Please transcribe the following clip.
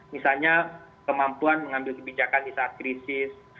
misalnya kemampuan mengambil kebijakan di saat krisis